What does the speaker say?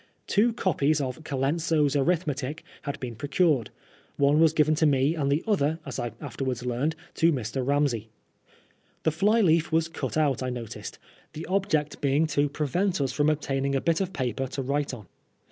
Two copies of Colenso's Arithmetic had been procured; one was given to me, and the other, as I afterwards learned, to Mr. Ramsey. The fly leaf was cut out, I noticed ; the object being to prevent us from obtaining a bit of paper to write on.